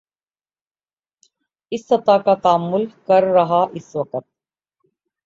اس سطح کا تعامل نہیں کر رہا اس وقت